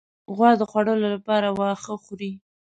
غوا د خوړو لپاره واښه خوري.